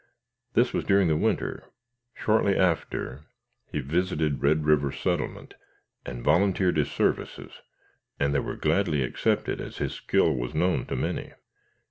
This was during the winter. Shortly after he visited Red River settlement, and volunteered his services, and they were gladly accepted, as his skill was known to many."